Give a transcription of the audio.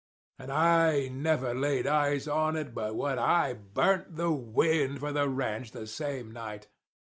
And I never laid eyes on it but what I burnt the wind for the ranch the same night.